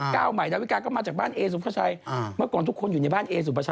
กลับมากลัวตาจะไม่เท่าไกลนะฮะ